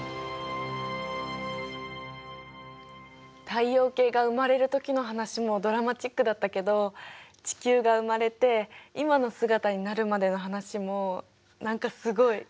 太陽系が生まれるときの話もドラマチックだったけど地球が生まれて今の姿になるまでの話も何かすごい。